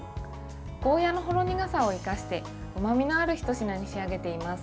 ゴーヤーのほろ苦さを生かしてうまみのあるひと品に仕上げています。